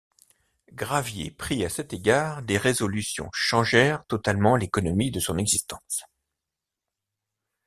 Gravier prit, à cet égard, des résolutions changèrent totalement l’économie de son existence.